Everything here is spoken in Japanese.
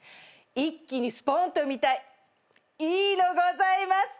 「一気にスポーンと産みたい」いいのございます。